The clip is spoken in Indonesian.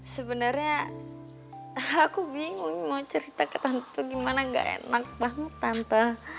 sebenarnya aku bingung mau cerita ke tante itu gimana gak enak banget tante